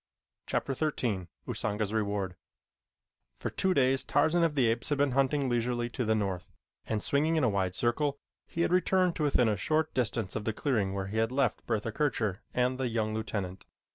Chapter XIII Usanga's Reward For two days Tarzan of the Apes had been hunting leisurely to the north, and swinging in a wide circle, he had returned to within a short distance of the clearing where he had left Bertha Kircher and the young lieutenant.